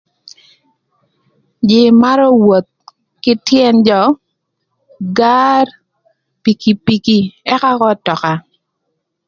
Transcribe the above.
Jïï marö woth kï tyën jö, gar, pikipiki ëka k'ötöka.